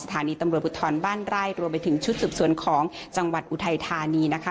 สถานีตำรวจภูทรบ้านไร่รวมไปถึงชุดสืบสวนของจังหวัดอุทัยธานีนะคะ